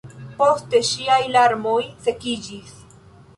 Poste ŝiaj larmoj sekiĝis.